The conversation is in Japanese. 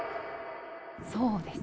そうです。